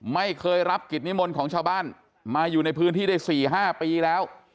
ไม่เคยรับกิจนิมนต์ของชาวบ้านมาอยู่ในพื้นที่ได้๔๕ปีแล้ว